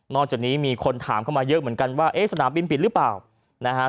จากนี้มีคนถามเข้ามาเยอะเหมือนกันว่าเอ๊ะสนามบินปิดหรือเปล่านะฮะ